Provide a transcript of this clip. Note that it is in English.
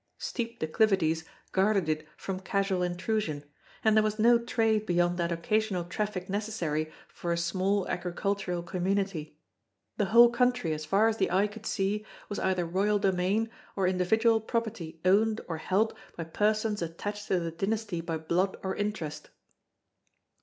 Steep declivities guarded it from casual intrusion, and there was no trade beyond that occasional traffic necessary for a small agricultural community. The whole country as far as the eye could see was either royal domain or individual property owned or held by persons attached to the dynasty by blood or interest.